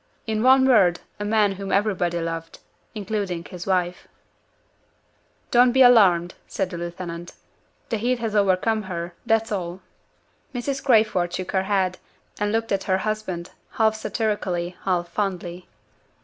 In one word, a man whom everybody loved including his wife. "Don't be alarmed," said the lieutenant. "The heat has overcome her that's all." Mrs. Crayford shook her head, and looked at her husband, half satirically, half fondly.